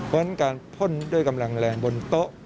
เพราะฉะนั้นการพ่นด้วยกำลังแรงบนโต๊ะ